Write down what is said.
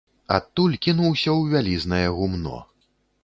Адтуль кінуўся ў вялізнае гумно.